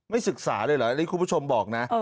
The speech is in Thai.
ไม่ศึกษาเลยหรอกนี่คุณผู้ชมบอกนะ